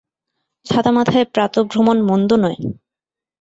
ছাতা মাথায় প্রাতঃভ্রমণ মন্দ নয়।